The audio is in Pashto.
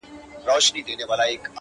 !د عدالت په انتظار-